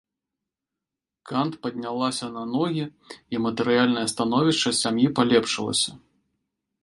Кант паднялася на ногі, і матэрыяльнае становішча сям'і палепшылася.